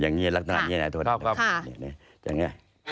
อ๋อไล่เสียงไล่เสียง